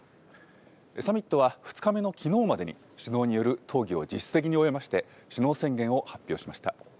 サミットは２日目のきのうまでに、首脳による討議を実質的に終えまして、首脳宣言を発表しました。